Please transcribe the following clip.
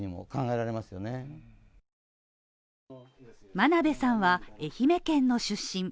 真鍋さんは、愛媛県の出身。